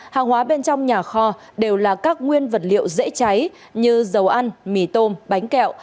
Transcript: hàng hóa bên trong nhà kho đều là các nguyên vật liệu dễ cháy như dầu ăn mì tôm bánh kẹo